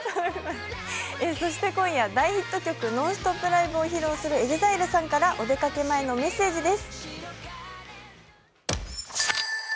今夜、大ヒット曲「ノンストップライブ」を披露するＥＸＩＬＥさんからお出かけ前のメッセージです。